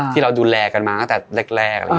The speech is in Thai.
ที่เราดูแลกันมาตั้งแต่แรก